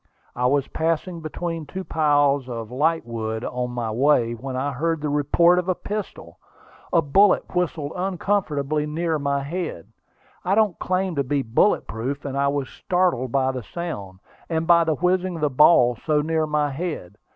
I was passing between two piles of lightwood on my way, when I heard the report of a pistol. A bullet whistled uncomfortably near my head. I don't claim to be bullet proof, and I was startled by the sound, and by the whizzing of the ball so near my head.